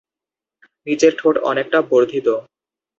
নিচের ঠোঁট অনেকটা বর্ধিত।